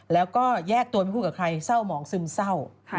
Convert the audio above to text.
แล้วก็แยกตัวไม่พูดกับใครเศร้าหมองซึมเศร้า